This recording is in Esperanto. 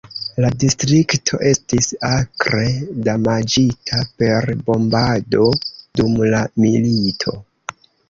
La distrikto estis akre damaĝita per bombado dum la milito.